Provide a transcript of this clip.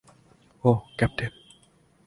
ওহ, captain.